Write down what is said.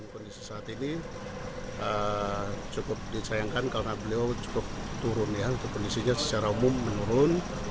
kondisi saat ini cukup disayangkan karena beliau cukup turun ya untuk kondisinya secara umum menurun